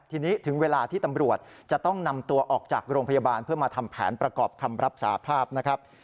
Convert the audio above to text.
ทีนี้ถึงเวลาที่ตำรวจจะต้องนำตัวออกจากโรงพยาบาลเพื่อมาทำแผนประกอบคำรับสาภาพนะครับ